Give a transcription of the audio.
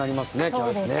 キャベツね。